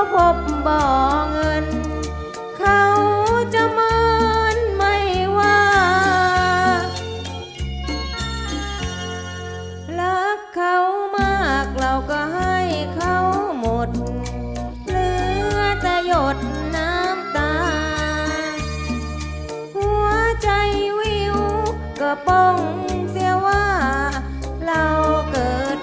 แผ่นไหนดีครับ